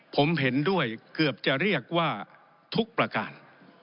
ผมเห็นด้วยเกือบจะเรียกว่าทุกประการ